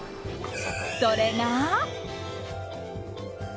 それが。